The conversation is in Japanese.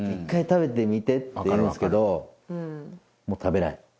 「１回、食べてみて」って言うんですけど、食べない。